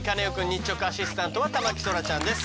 日直アシスタントは田牧そらちゃんです。